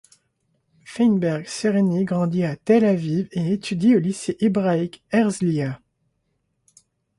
Feinberg-Sereni grandit à Tel Aviv et étudie au lycée hébraïque Herzliya.